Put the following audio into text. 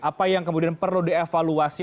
apa yang kemudian perlu dievaluasi